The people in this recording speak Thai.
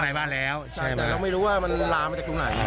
แต่เราไม่รู้ว่ามันลามไปจากตรงไหน